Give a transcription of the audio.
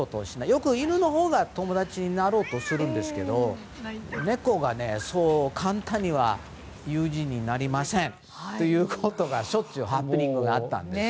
よく犬のほうが友達になろうとするんですけど猫はそう簡単には友人になりませんということがしょっちゅうハプニングがあったんですね。